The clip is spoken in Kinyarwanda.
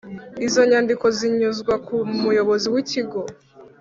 Izo nyandiko zinyuzwa ku muyobozi w’ikigo